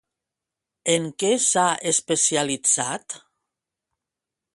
En què s'ha especialitzat?